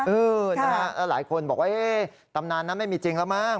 เออนะฮะแล้วหลายคนบอกว่าตำนานนั้นไม่มีจริงแล้วมั้ง